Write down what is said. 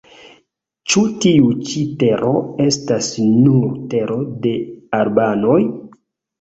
Ĉu tiu ĉi tero estas nur tero de albanoj?